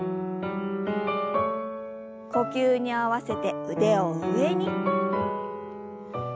呼吸に合わせて腕を上に。